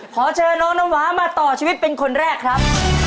ขอเชิญน้องน้ำหวานมาต่อชีวิตเป็นคนแรกครับ